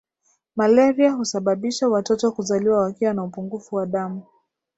malaria husababisha watoto kuzaliwa wakiwa na upungufu wa damu